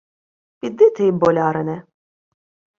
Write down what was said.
— Піди ти, болярине.